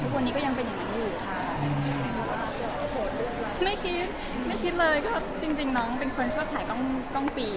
ทุกวันนี้ก็ยังเป็นอย่างนี้อยู่ค่ะไม่คิดไม่คิดเลยก็จริงจริงน้องเป็นคนชอบถ่ายกล้องกล้องฟีน